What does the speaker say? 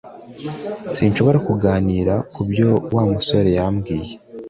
Sinshobora kuganira kubyo Wa musore yambwiye